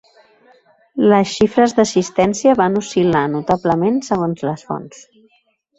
Les xifres d'assistència van oscil·lar notablement segons les fonts.